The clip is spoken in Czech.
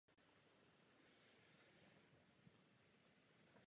Jedná se o komerční projekt vesmírného turismu.